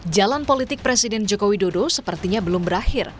jalan politik presiden joko widodo sepertinya belum berakhir